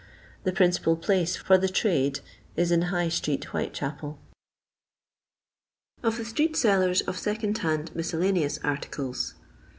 The principal place for the trade is in Iligh street, WhitechapeL Of tue Street Ssllers of SEcoKi> HAin> MiSOELLAKSOUS ARTICLES.